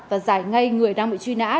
và giải ngay người đang bị truy nã